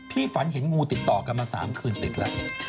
พี่ฝันเห็นงูติดต่อกันมา๓คืนเสร็จแล้ว